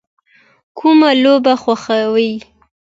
کومه لوبه خوښوئ؟